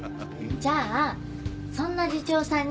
じゃあそんな次長さんに。